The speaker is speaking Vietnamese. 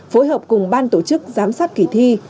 phối hợp cùng ban tổ chức giám sát kỳ thi